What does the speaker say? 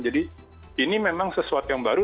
jadi ini memang sesuatu yang baru